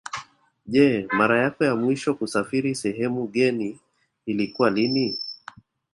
Je mara yako ya mwisho kusafiri sehemu ngeni ilikuwa lini